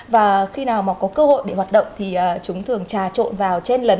và khi nào mà có cơ hội để hoạt động thì chúng thường trà trộn vào trên lấn